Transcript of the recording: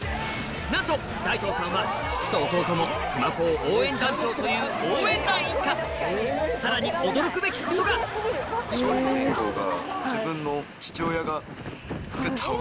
なんと大東さんは父と弟も熊高応援団長という応援団一家さらに驚くべきことが自分の。